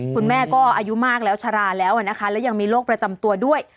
คุณแม่ก็อายุมากแล้วชะลาแล้วนะคะแล้วยังมีโรคประจำตัวด้วย